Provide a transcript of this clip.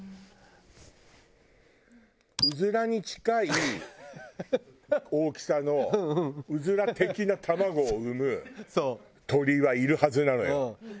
うずらに近い大きさのうずら的な卵を産む鳥はいるはずなのよ。